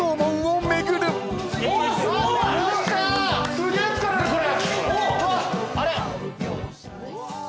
すげえ疲れるこれ。